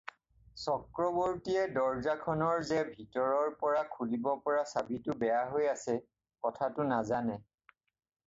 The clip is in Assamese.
চক্ৰবৰ্তীয়ে দৰজাখনৰ যে ভিতৰৰ পৰা খুলিব পৰা চাবিটো বেয়া হৈ আছে, কথাটো নাজানে।